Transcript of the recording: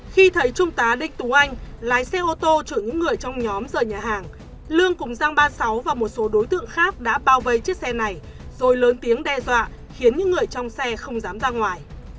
khi thấy trung tá đinh tú anh lái xe ô tô chở những người trong nhóm rời nhà hàng lương cùng giang ba mươi sáu và một số đối tượng khác đã bao vây chiếc xe này rồi lớn tiếng đe dọa khiến những người trong xe không dám ra ngoài